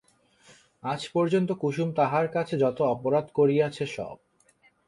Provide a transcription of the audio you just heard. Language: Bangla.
আজ পর্যন্ত কুসুম তাহার কাছে যত অপরাধ করিয়াছে সব।